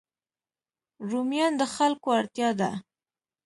رومیان د خلکو اړتیا ده